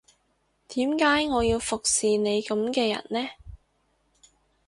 點解我要服侍你噉嘅人呢